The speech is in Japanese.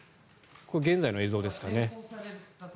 現在の映像ですかね。